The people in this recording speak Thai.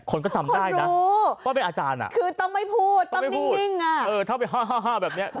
คนก็จำได้นะคนรู้ก็เป็นอาจารย์อะคือต้องไม่พูดต้องนิ่งอะเออถ้าไปฮ่าแบบเนี่ย